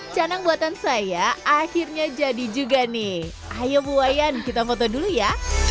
canang buatan saya akhirnya jadi juga nih ayo bu wayan kita foto dulu ya